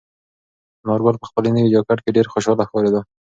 انارګل په خپل نوي جاکټ کې ډېر خوشحاله ښکارېده.